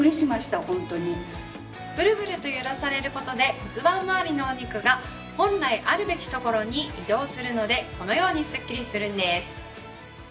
ブルブルと揺らされる事で骨盤まわりのお肉が本来あるべき所に移動するのでこのようにすっきりするんです。